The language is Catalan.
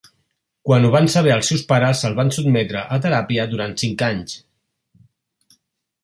Quan ho van saber els seus pares el van sotmetre a teràpia durant cinc anys.